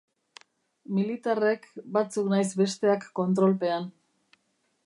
Militarrek, batzuk nahiz besteak kontrolpean.